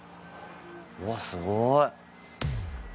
うわっすごい。